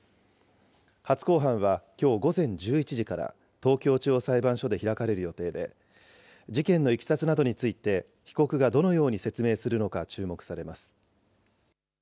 初公判はきょう午前１１時から、東京地方裁判所で開かれる予定で、事件のいきさつなどについて被告がどのように説明するのか注目されます。